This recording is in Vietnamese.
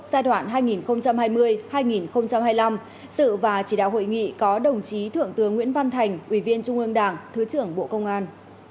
giai đoạn hai nghìn hai mươi hai nghìn hai mươi năm sự và chỉ đạo hội nghị có đồng chí thượng tướng nguyễn văn thành ủy viên trung ương đảng thứ trưởng bộ công an